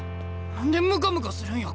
何でムカムカするんや？